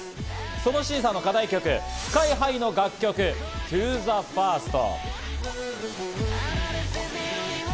その審査の課題曲、ＳＫＹ−ＨＩの楽曲『ＴｏＴｈｅＦｉｒｓｔ』。